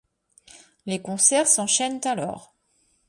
Les concerts s'enchaînent alors.